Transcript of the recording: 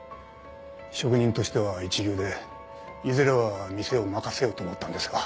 職人としては一流でいずれは店を任せようと思ったんですが。